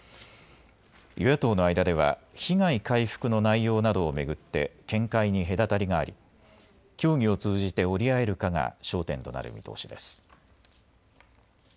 与野党の間では被害回復の内容などを巡って見解に隔たりがあり協議を通じて折り合えるかが焦点となる見通しです。